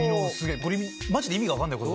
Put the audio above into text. これマジで意味が分かんない。